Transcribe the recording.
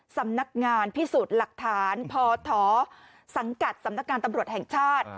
สำนักงานพิสูจน์หลักฐานพศสังกัดสำนักงานตำรวจแห่งชาติ